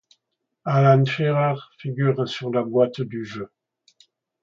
Alan Shearer figure sur la boîte du jeu.